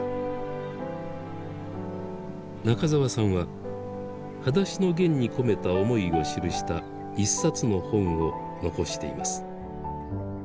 中沢さんは「はだしのゲン」に込めた思いを記した一冊の本を残しています。